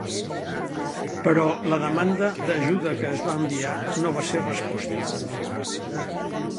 Però la demanda d’ajuda que es va enviar no va ser resposta.